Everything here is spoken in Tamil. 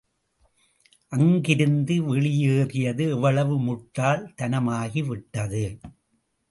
அங்கிருந்து வெளியேறியது எவ்வளவு முட்டாள் தனமாகிவிட்டது.